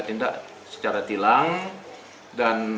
tindak secara tilang dan